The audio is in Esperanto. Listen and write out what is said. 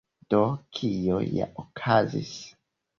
Do, kio ja okazis?